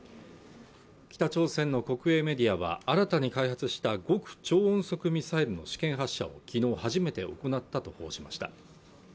北朝鮮の国営メディアは新たに開発した極超音速ミサイルの試験発射をきのう初めて行ったと報じました